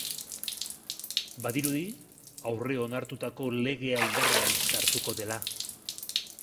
Badirudi aurreonartutako legea indarrean sartuko dela.